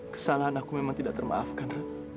kesalahan aku memang tidak termaafkan